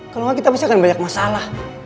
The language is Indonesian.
kalau enggak kita pasti akan banyak masalah